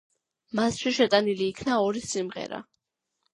მასში შეტანილი იქნა ორი სიმღერა.